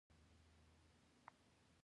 او يا د اوبو د کمۍ له وجې راځي